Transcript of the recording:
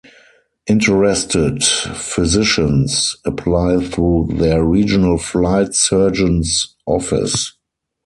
Interested physicians apply through their regional flight surgeon's office.